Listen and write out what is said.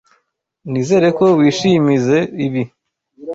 Nizere ko wishimizoe ibi.